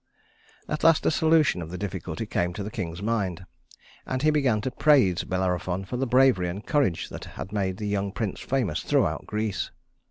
At last a solution of the difficulty came to the king's mind, and he began to praise Bellerophon for the bravery and courage that had made the young prince famous throughout Greece.